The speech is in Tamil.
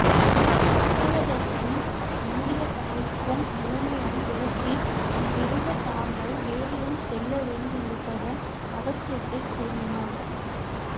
வாசவதத்தைக்கும் சாங்கியத் தாய்க்கும் நிலைமையை விளக்கி அங்கிருந்து தாங்கள் வேறிடம் செல்ல வேண்டியிருப்பதன் அவசியத்தையும் கூறினான்.